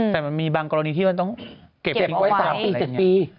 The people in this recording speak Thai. แต่มันมีบางกรณีที่มันต้องเก็บไว้๓ปี๗ปี